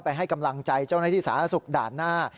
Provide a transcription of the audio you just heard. ให้กำลังใจเจ้าหน้าที่สาธารณสุขด่านหน้า